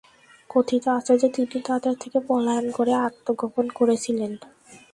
কথিত আছে যে, তিনি তাদের থেকে পলায়ন করে আত্মগোপন করেছিলেন।